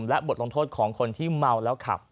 และบทลงโทษของคนที่เมาแล้วขับ